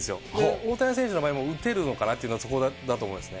大谷選手の場合も打てるのかなっていうのは、そこだと思いますね。